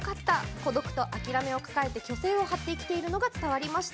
孤独と諦めを抱えて虚勢を張って生きているのが伝わりました。